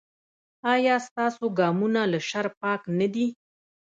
ایا ستاسو ګامونه له شر پاک نه دي؟